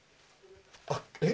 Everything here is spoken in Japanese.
あっえっ？